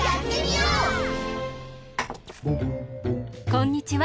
こんにちは。